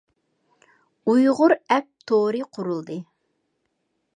ئۇيغۇر ئەپ تورى قۇرۇلدى.